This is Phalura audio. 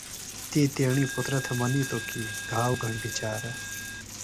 تی تیݨی پُترہ تھےۡ منِیتوۡ کی گھاؤ گھنڈیۡ چارہ۔